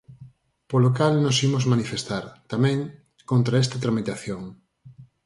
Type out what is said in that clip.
Polo cal nos imos manifestar, tamén, contra esta tramitación.